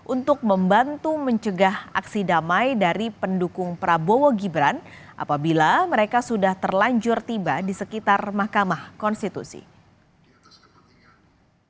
untuk membantu mencegah aksi damai dari pendukung prabowo gibran apabila mereka sudah terlanjur tiba di sekitar mahkamah konstitusi